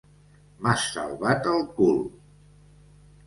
M'has salvat el cul!